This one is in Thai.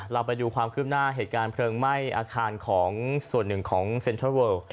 เราไปดูความคืบหน้าเหตุการณ์เพลิงไหม้อาคารของส่วนหนึ่งของเซ็นทรัลเวิล